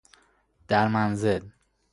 در منزل